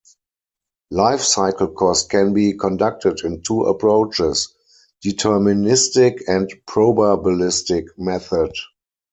Life cycle cost can be conducted in two approaches: deterministic and probabilistic method.